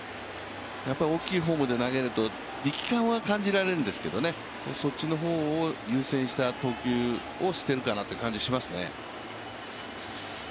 大きいフォームで投げると力感は感じられるんですけど、そっちの方を優先した投球をしてるかなという感じしますね。